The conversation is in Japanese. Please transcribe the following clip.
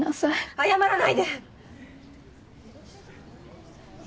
謝らないで！